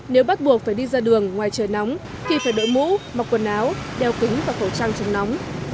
nếu bắt buộc phải đi ra đường ngoài trời nóng thì phải đội mũ mặc quần áo đeo kính và khẩu trang chống nóng